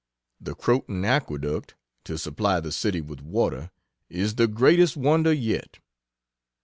The Croton Aqueduct, to supply the city with water, is the greatest wonder yet.